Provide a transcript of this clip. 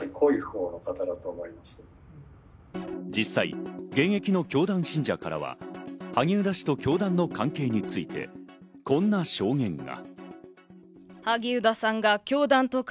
実際、現役の教団信者からは萩生田氏と教団の関係について、こんな証言が。